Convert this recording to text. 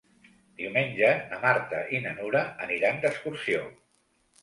Diumenge na Marta i na Nura aniran d'excursió.